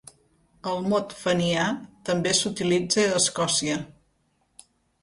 El mot fenià també s'utilitza a Escòcia.